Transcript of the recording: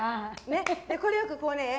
これをよくこうね。